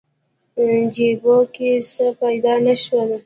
جیبو کې څه پیدا نه شول.